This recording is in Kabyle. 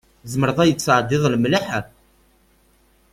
Tzemreḍ ad yi-d-tesɛeddiḍ lmelḥ?